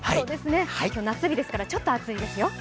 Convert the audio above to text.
今日、夏日ですから、ちょっと暑いですよ。